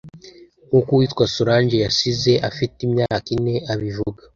nk’uko uwitwa Solange yasize afite imyaka ine abivuga